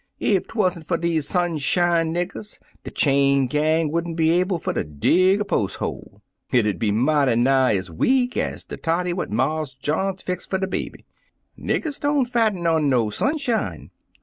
Ef 'twan't for dese sunshine niggers, de chain gang would n't be able fer ter dig er pos' hole. Hit 'ud be mighty nigh ez weak ez de toddy what Marse John mix fer de baby. Niggers don't fatten on no sunshine.